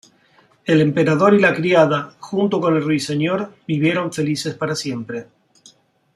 El emperador y la criada, junto con el Ruiseñor vivieron felices para siempre.